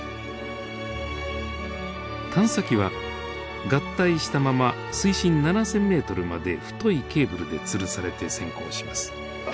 探査機は合体したまま水深７，０００ｍまで太いケーブルでつるされて潜航します。